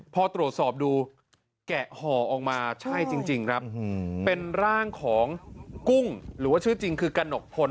พอตรวจสอบดูแกะห่อออกมาใช่จริงครับเป็นร่างของกุ้งหรือว่าชื่อจริงคือกระหนกพล